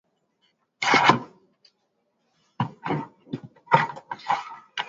Twatembea mpaka tufike nyumbani